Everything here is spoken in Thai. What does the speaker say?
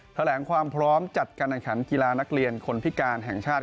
แถลงความพร้อมจัดการแข่งขันกีฬานักเรียนคนพิการแห่งชาติ